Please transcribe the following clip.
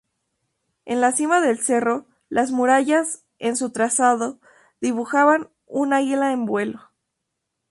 En la cima del Cerro, las murallas en su trazado, dibujan un águila en vuelo.